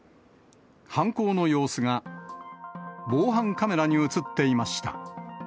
犯行の様子が、防犯カメラに写っていました。